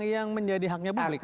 yang menjadi haknya publik